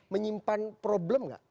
menyimpan problem gak